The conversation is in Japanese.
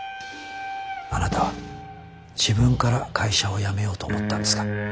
あなたは自分から会社を辞めようと思ったんですか？